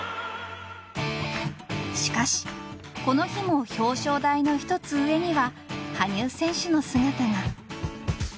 しかし、この日も表彰台の１つ上には羽生選手の姿が。